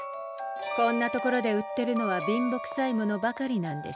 こんな所で売ってるのは貧乏くさいものばかりなんでしょうねえ。